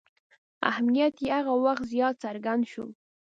اهمیت یې هغه وخت زیات څرګند شو.